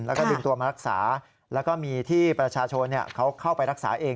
แล้วก็ดึงตัวมารักษาแล้วก็มีที่ประชาชนเขาเข้าไปรักษาเอง